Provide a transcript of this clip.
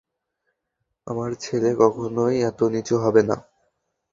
আমার ছেলে কখনই এত নিচু হবে না!